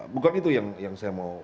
bukan itu yang saya mau